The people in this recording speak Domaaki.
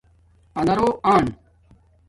آنارݸ انݳ